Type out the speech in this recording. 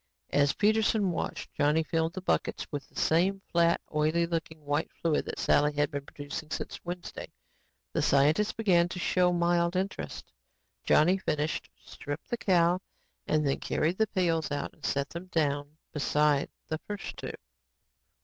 As Peterson watched, Johnny filled the buckets with the same, flat, oily looking white fluid that Sally had been producing since Wednesday. The scientist began to show mild interest. Johnny finished, stripped the cow, and then carried the pails out and set them down beside the first two.